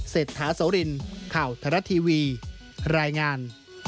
เศรษฐาโสรินข่าวทรัฐทีวีรายงาน